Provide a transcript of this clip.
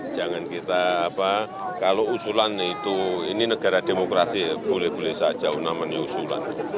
jangan kita kalau usulan itu ini negara demokrasi boleh boleh saja meniusulan